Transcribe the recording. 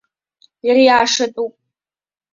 Ириашатәуп.